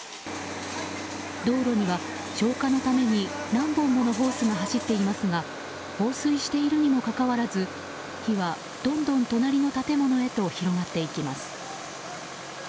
道路には、消火のために何本ものホースが走っていますが放水しているにもかかわらず火は、どんどん隣の建物へと広がっていきます。